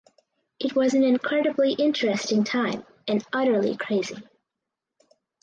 It was an incredibly interesting time and utterly crazy.